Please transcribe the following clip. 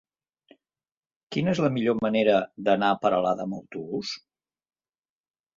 Quina és la millor manera d'anar a Peralada amb autobús?